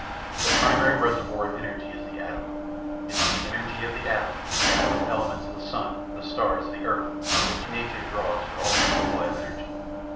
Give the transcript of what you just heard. The primary reservoir of energy is the atom; it is the energy of the atom, the atom of elements in the sun, the stars, the earth, from which nature draws for all her supply of energy.